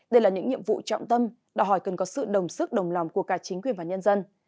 đây là những nhiệm vụ trọng tâm đòi hỏi cần có sự đồng sức đồng lòng của cả chính quyền và nhân dân